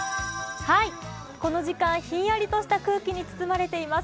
この時間ひんやりとした空気に包まれています。